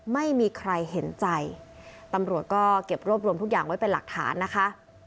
ไม่มีใครเห็นใจตำรวจก็เก็บรวบรวมทุกอย่างไว้เป็นหลักฐานนะคะ